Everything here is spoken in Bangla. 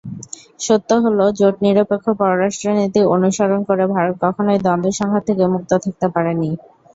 সত্য হলো, জোটনিরপেক্ষ পররাষ্ট্রনীতি অনুসরণ করে ভারত কখনোই দ্বন্দ্ব-সংঘাত থেকে মুক্ত থাকতে পারেনি।